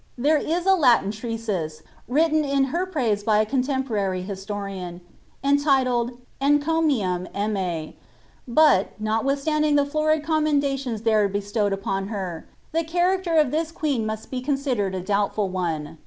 (There is a Latin treatise, written in her praise by a contemporary his torian, entitled, " Kncomium £mnifE ;" but, notwithstanding the Sorid tommenduiiuus there bestowed upun her, the cliaracter of this queen Fnust be considereil a doubtful one.